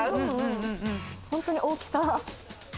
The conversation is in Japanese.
本当に大きさ。